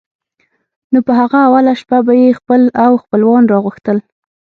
نو په هغه اوله شپه به یې خپل او خپلوان را غوښتل.